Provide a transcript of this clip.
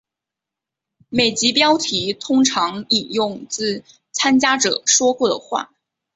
每集标题通常引用自参加者说过的话。